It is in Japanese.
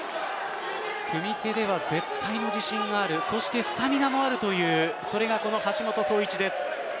組み手には絶対の自信があるそして、スタミナもあるというそれが橋本壮市です。